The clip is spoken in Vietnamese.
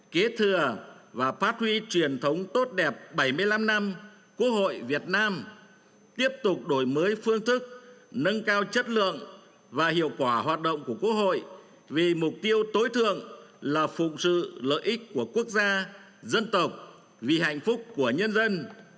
kế thừa và phát huy truyền thống tốt đẹp bảy mươi năm năm quốc hội việt nam tiếp tục đổi mới phương thức nâng cao chất lượng và hiệu quả hoạt động của quốc hội vì mục tiêu tối thượng là phụng sự lợi ích của quốc gia dân tộc vì hạnh phúc của nhân dân